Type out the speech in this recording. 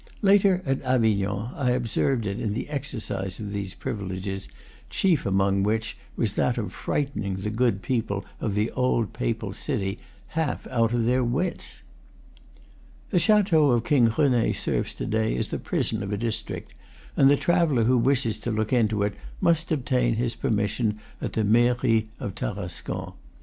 Later, at Avignon, I observed it in the exercise of these privileges, chief among which was that of frightening the good people of the old papal city half out of their wits. The chateau of King Rene serves to day as the prison of a district, and the traveller who wishes to look into it must obtain his permission at the Mairie of Tarascon.